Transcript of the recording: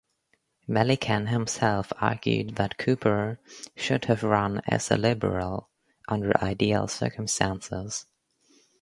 Milliken himself argued that Cooper "should have run as a Liberal" under ideal circumstances.